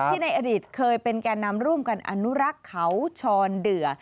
ในอดีตเคยเป็นแก่นำร่วมกันอนุรักษ์เขาชอนเดือ